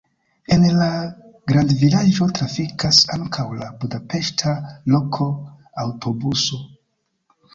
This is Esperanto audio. En la grandvilaĝo trafikas ankaŭ la budapeŝta loka aŭtobuso.